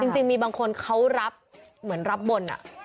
จริงมีบางคนเขารับเหมือนรับบน